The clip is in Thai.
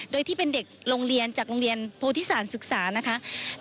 โดยที่เป็นเด็กโรงเรียนจากโรงเรียนโพธิสารศึกษานะคะ